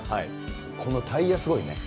このタイヤすごいね。